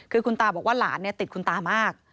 คือคุณตาบอกว่าหลานติดคุณตามาก